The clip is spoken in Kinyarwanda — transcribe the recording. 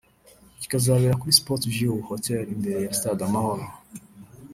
kikazabera kuri Sports View Hotel imbere ya Stade Amahoro